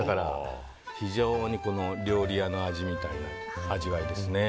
非常に料理屋の味みたいな味わいですね。